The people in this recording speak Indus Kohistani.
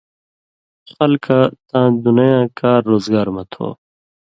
خلکہ تاں دُنَیں یاں کار روزگار مہ تھو